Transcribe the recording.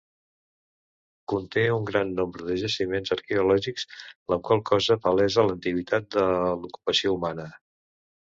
Conté un gran nombre de jaciments arqueològics, la qual cosa palesa l'antiguitat de l'ocupació humana.